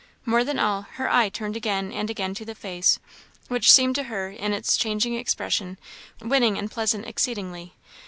More than all, her eye turned again and again to the face, which seemed to her, in its changing expression, winning and pleasant exceedingly.